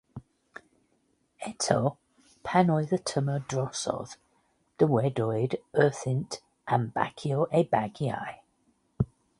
Eto, pan oedd y tymor drosodd, dywedwyd wrthynt am bacio eu bagiau.